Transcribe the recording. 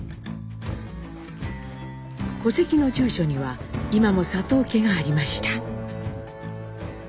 戸籍の住所には今も佐藤家がありました。